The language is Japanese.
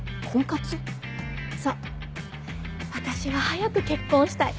私は早く結婚したい。